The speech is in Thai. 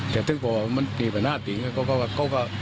แต่ถึงก็มันมีประนาธิกษ์นะครับ